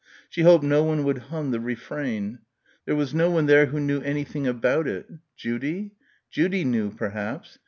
She hoped no one would hum the refrain. There was no one there who knew anything about it.... Judy? Judy knew, perhaps.